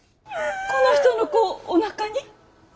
この人の子おなかに？